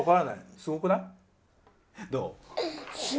すごくない？